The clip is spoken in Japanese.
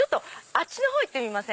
あっちの方行ってみません？